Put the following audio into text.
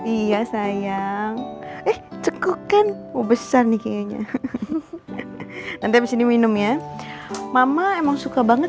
iya sayang eh cekok kan besar nih kayaknya nanti disini minum ya mama emang suka banget